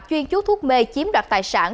chuyên chú thuốc mê chiếm đoạt tài sản